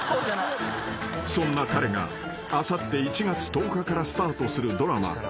［そんな彼があさって１月１０日からスタートするドラマ